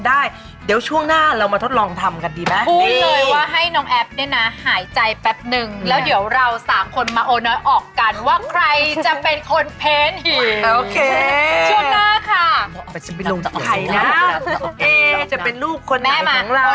แต่ง่ายก็ต้องติดตามในเฟซบุกอยู่ดีใช่ไหม